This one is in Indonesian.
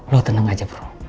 lo tenang aja bro